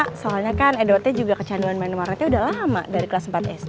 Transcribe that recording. ya soalnya kan edwardnya juga kecanduan main warnetnya udah lama dari kelas empat sd